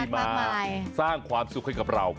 ที่มาสร้างความสุขกับเรา